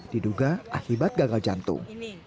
didunga akibat ganggal jantung